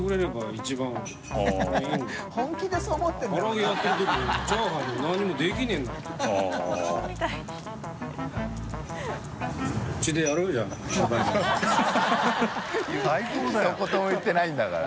ひと言も言ってないんだから。